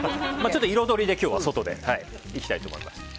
彩りで今日は外でいきたいと思います。